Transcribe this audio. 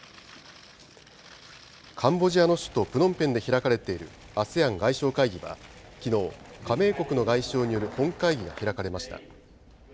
カンボジアの首都プノンペンで開かれているＡＳＥＡＮ外相会議は、きのう、加盟国の外相による本会議が開かれました。